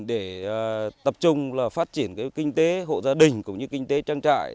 để tập trung là phát triển cái kinh tế hộ gia đình cũng như kinh tế trang trại